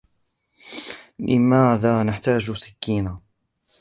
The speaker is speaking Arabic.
لماذا تحتاج سكينا؟